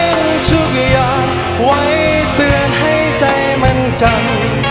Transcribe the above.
เพียงทุกอย่างไว้ตื่นให้ใจมันจำ